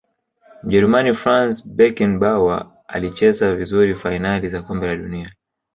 mjerumani franz beckenbauer alicheza vizuri fainali za kombe la dunia